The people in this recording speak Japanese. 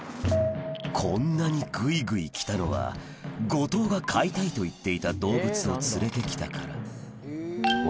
こんなにグイグイ来たのは後藤が飼いたいと言っていた動物を連れて来たからうわ